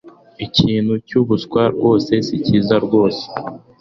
ikintu cyubuswa rwose sicyiza rwose